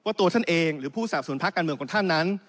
ผมเชื่อครับว่าตัวท่านเองหรือผู้สาปส่วนภาคการเมืองของท่านนั้น